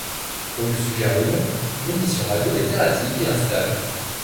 Comme le suggère le nom, l'émission radio est erratique et instable.